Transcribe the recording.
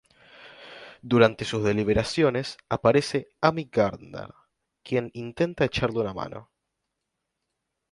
Durante sus deliberaciones, aparece Amy Gardner, quien intenta echarle una mano.